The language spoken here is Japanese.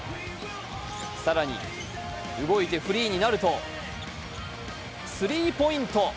更に、動いてフリーになるとスリーポイント。